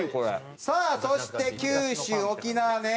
さあそして九州・沖縄ね。